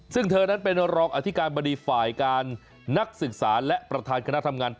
ซึ่งเธอนั้นเป็นรองอธิการบดีฝ่ายการนักศึกษาและประธานคณะทำงาน